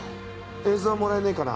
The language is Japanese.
映像もらえねえかな？